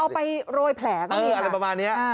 เอาไปโรยแผลตรงนี้